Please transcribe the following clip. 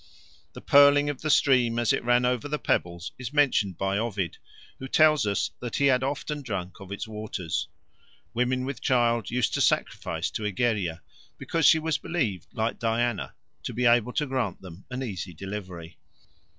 The purling of the stream as it ran over the pebbles is mentioned by Ovid, who tells us that he had often drunk of its water. Women with child used to sacrifice to Egeria, because she was believed, like Diana, to be able to grant them an easy delivery.